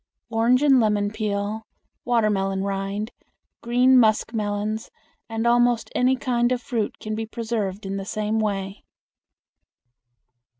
Orange and lemon peel, watermelon rind, green muskmelons, and almost any kind of fruit can be preserved in the same way.